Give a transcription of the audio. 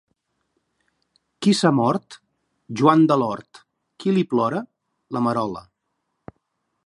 Qui s’ha mort? Joan de l’hort. Qui li plora? La Marola.